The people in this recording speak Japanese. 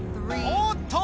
おっと！